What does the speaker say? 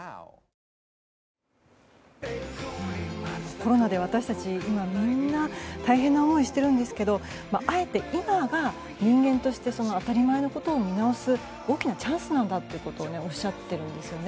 コロナで私たち、今みんな大変な思いをしてるんですけどあえて今が人間として当たり前のことを見直す大きなチャンスなんだとおっしゃっているんですよね。